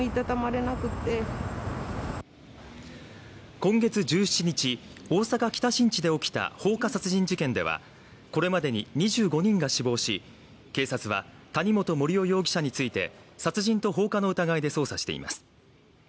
今月１７日大阪北新地で起きた放火殺人事件ではこれまでに２５人が死亡し警察は谷本盛雄容疑者について殺人と放火の疑いで捜査しています